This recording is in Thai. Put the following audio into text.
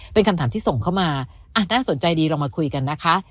เป็นคำถามที่ส่งเข้ามาน่าสนใจดีลองมาคุยกันนะคะ